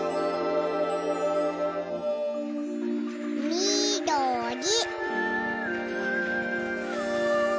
みどり。